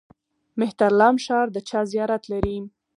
مهترلام ښار د چا زیارت لري؟